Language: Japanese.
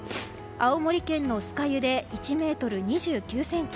青森県の酸ヶ湯で１ｍ２９ｃｍ